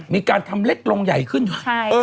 มีการทำเล็กลงใหญ่ขึ้นด้วย